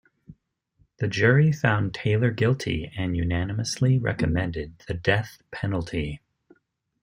The jury found Taylor guilty, and unanimously recommended the death penalty.